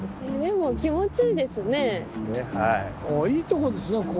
いいとこですね